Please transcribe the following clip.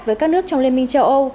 với các nước trong liên minh châu âu